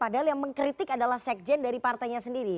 padahal yang mengkritik adalah sekjen dari partainya sendiri